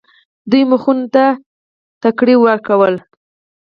دوی مخونو ته ټکرې ورکړل.